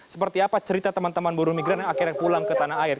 seperti apa cerita teman teman buruh migran yang akhirnya pulang ke tanah air